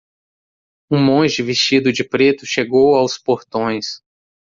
Um monge vestido de preto chegou aos portões.